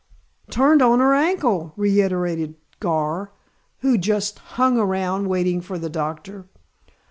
"Turned on her ankle," reiterated Gar, who just "hung around" waiting for the doctor.